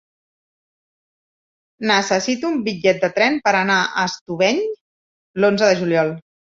Necessito un bitllet de tren per anar a Estubeny l'onze de juliol.